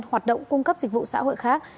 hoạt động cung cấp dịch vụ xã hội khác